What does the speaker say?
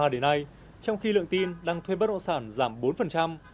hai nghìn hai mươi ba đến nay trong khi lượng tin đang thuê bất nộ sản giảm bốn